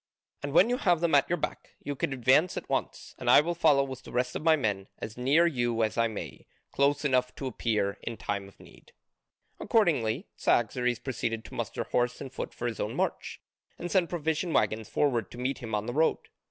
And when you have them at your back, you could advance at once, and I will follow with the rest of my men as near you as I may, close enough to appear in time of need." Accordingly, Cyaxares proceeded to muster horse and foot for his own march, and sent provision waggons forward to meet him on the road.